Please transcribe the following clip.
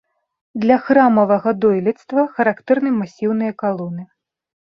Для храмавага дойлідства характэрны масіўныя калоны.